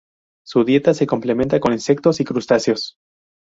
Su dieta se complementa con insectos y crustáceos.